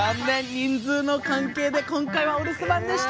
人数の関係で今回はお留守番でした。